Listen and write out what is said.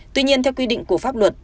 tuy nhiên theo quy định của pháp luật